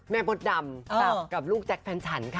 มดดำกับลูกแจ๊คแฟนฉันค่ะ